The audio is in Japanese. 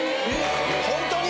ホントに？